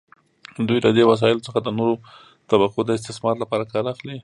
دوی له دې وسایلو څخه د نورو طبقو د استثمار لپاره کار اخلي.